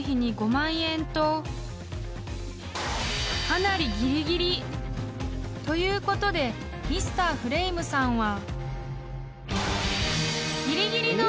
［かなりギリギリ］［ということでＭｒ．フレイムさんは］